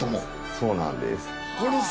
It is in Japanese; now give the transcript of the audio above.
そうなんです。